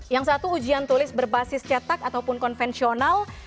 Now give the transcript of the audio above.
yang satu ujian tulis berbasis cetak ataupun konvensional